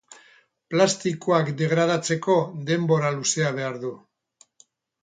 Plastikoak degradatzeko denbora luzea behar du.